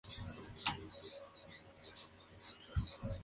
La frontera se cambió varias veces debido a las guerras.